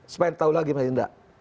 supaya tahu lagi mas indra